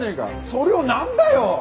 それをなんだよ！？